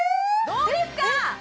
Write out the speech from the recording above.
どうですか！